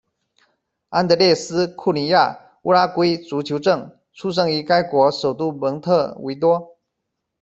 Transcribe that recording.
安德烈斯·库尼亚，乌拉圭足球证，出生于该国首都蒙特维多。